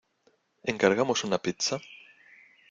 ¿Encargamos una pizza?